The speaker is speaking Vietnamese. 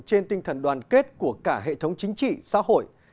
trên tinh thần đoàn kết của cả hệ thống chính trị xã hội